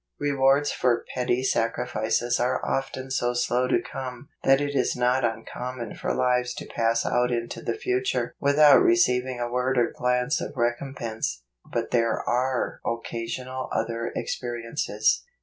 Rewards for petty sacrifices are often so slow to come that it is not uncommon for lives to pass out into the future without receiving a word or glance of recompense. But there are occasional other experiences.